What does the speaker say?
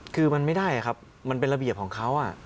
คือมันไม่ได้ครับมันเป็นระเบียบของเขา